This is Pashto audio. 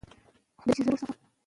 هغه هلک ډېر تکړه او لایق دی.